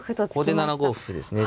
ここで７五歩ですね。